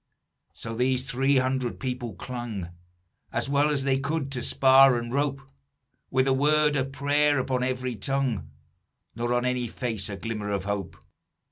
"So these three hundred people clung As well as they could, to spar and rope; With a word of prayer upon every tongue, Nor on any face a glimmer of hope.